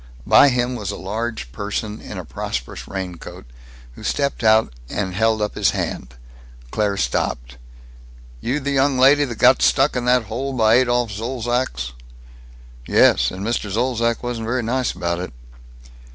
By him was a large person in a prosperous raincoat, who stepped out, held up his hand. Claire stopped. "You the young lady that got stuck in that hole by Adolph Zolzac's?" "Yes. And Mr. Zolzac wasn't very nice about it."